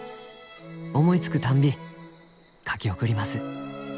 思いつくたんび書き送ります」。